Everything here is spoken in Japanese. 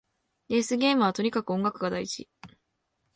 レースゲームはとにかく音楽が大事